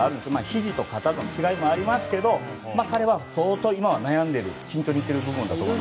ひじと肩の違いもありますが彼は相当今は悩んでいる慎重にいっている部分だと思います。